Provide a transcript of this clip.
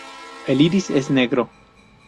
El iris es negro.